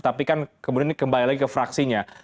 tapi kan kemudian kembali lagi ke fraksinya